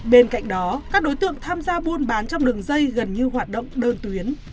bên cạnh đó các đối tượng tham gia buôn bán trong đường dây gần như hoạt động đơn tuyến